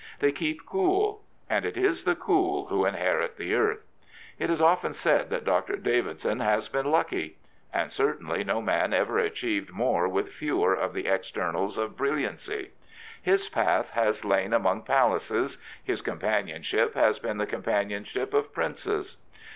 They keep cool. And it is the cool who inherit the earth. It is often said that Dr. Davidson has been " lucky. And certainly no man ever achieved more with fewer of the externals of brilliancy. His path has lain among palaces; his companionship has been the companionship of princes..